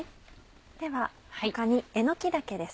では他にえのき茸です。